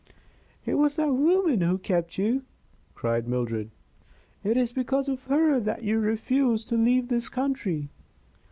"It was that woman who kept you!" cried Mildred. "It is because of her that you refuse to leave this country!"